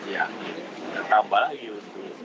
ya bertambah lagi untuk